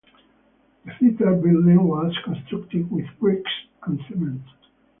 The theater building was constructed with bricks and cements.